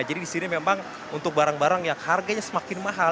jadi di sini memang untuk barang barang yang harganya semakin mahal